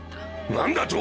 何だと！